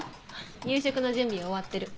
夕食の準備は終わってる。